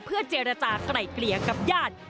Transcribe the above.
เพื่อเจรจากลายเกลี่ยกับญาติ